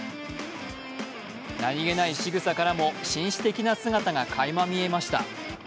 何気ないしぐさからも紳士的な姿がかいま見えました。